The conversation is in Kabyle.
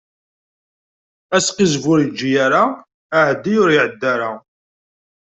Asqizzeb, ur yeǧǧi ara; aεeddi, ur iεedda ara.